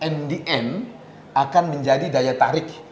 ndm akan menjadi daya tarik